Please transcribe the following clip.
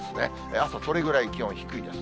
朝、それぐらい気温低いです。